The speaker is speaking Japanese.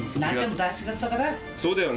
そうだよね。